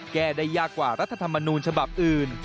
แก้ได้ยากกว่ารัฐธรรมนูญฉบับอื่น